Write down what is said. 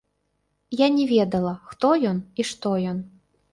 Я не ведала, хто ён і што ён.